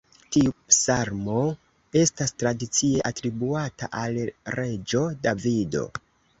Tiu psalmo estas tradicie atribuata al reĝo Davido.